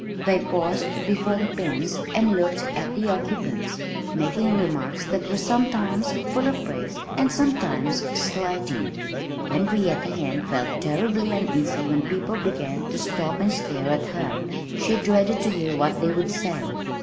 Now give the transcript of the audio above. They paused before the pens and looked at the occupants, making remarks that were sometimes full of praise and sometimes slighting. Henrietta Hen felt terribly uneasy when people began to stop and stare at her. She dreaded to hear what they would say.